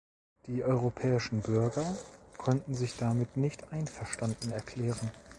Die europäischen Bürger konnten sich damit nicht einverstanden erklären.